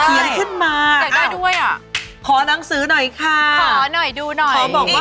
เขียนขึ้นมาอ้าวขอหนังสือหน่อยค่ะขอด้วยอะดูหน่อยดูหน่อย